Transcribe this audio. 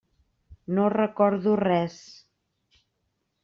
No recordo res.